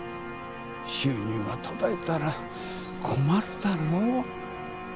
収入が途絶えたら困るだろ？